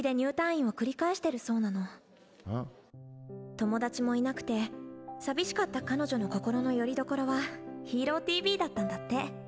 友達もいなくて寂しかった彼女の心のよりどころは「ＨＥＲＯＴＶ」だったんだって。